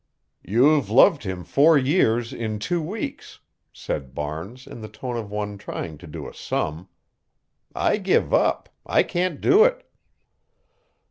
"You've loved him four years in two weeks," said Barnes in the tone of one trying to do a sum. "I give up. I can't do it."